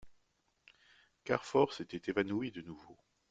Carfor s'était évanoui de nouveau.